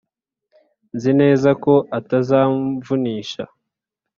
Nzi neza ko atazamvunisha